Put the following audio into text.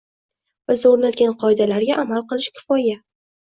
Biz o'rnatgan qoidalarga amal qilish kifoya